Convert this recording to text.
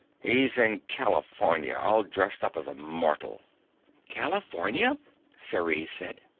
He's in California, all dressed up as a mortal." "California?" Ceres said.